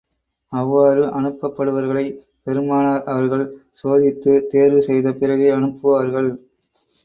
அவ்வாறு அனுப்பப்படுபவர்களைப் பெருமானார் அவர்கள் சோதித்துத் தேர்வு செய்த பிறகே அனுப்புவார்கள்.